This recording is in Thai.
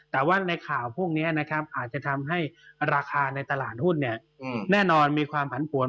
แต่ว่าในข่าวพวกนี้นะครับอาจจะทำให้ราคาในตลาดหุ้นแน่นอนมีความผันปวน